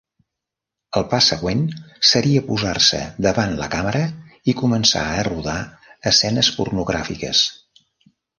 El pas següent seria posar-se davant la càmera i començar a rodar escenes pornogràfiques.